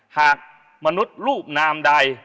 หากมนุษย์รูปนามใด